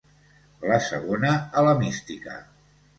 La segona a la mística.